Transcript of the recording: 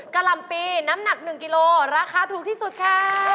กล่ำปีน้ำหนัก๑กิโลราคาถูกที่สุดค่ะ